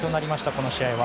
この試合は。